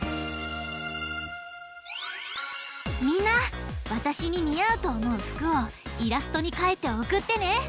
みんなわたしににあうとおもうふくをイラストにかいておくってね！